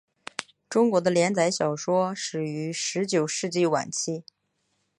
中国的连载小说始于十九世纪晚期。